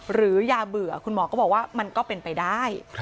หรือยาเบื่อคุณหมอก็บอกว่ามันก็เป็นไปได้